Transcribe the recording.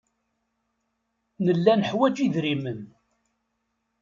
Nella neḥwaj idrimen.